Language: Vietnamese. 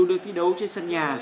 dù được thi đấu trên sân nhà